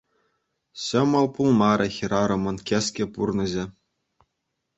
Ҫӑмӑл пулмарӗ хӗрарӑмӑн кӗске пурнӑҫӗ.